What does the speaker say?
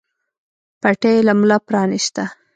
پټۍ يې له ملا پرانېسته.